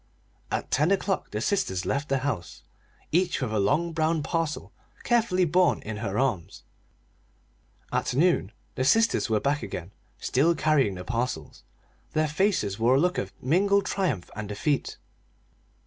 At ten o'clock the sisters left the house, each with a long brown parcel carefully borne in her arms. At noon at noon the sisters were back again, still carrying the parcels. Their faces wore a look of mingled triumph and defeat.